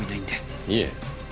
いえ。